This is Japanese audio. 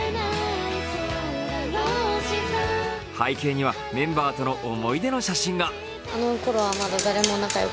背景にはメンバーとの思い出の写真が。